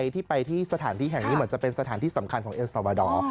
ที่ไปที่สถานที่แห่งนี้เหมือนจะเป็นสถานที่สำคัญของเอลซาวาดอร์